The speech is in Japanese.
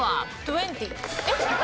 えっ？